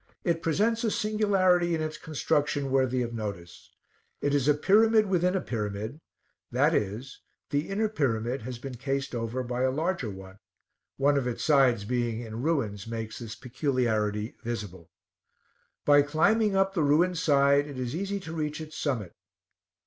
It presents a singularity in its construction worthy of notice. It is a pyramid within a pyramid; i.e. the inner pyramid has been cased over by a larger one; one of its sides being in ruins makes this peculiarity visible. By climbing up the ruined side, it is easy to reach its summit.